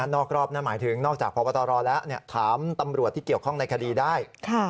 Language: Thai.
นอกรอบนั่นหมายถึงนอกจากพบตรแล้วถามตำรวจที่เกี่ยวข้องในคดีได้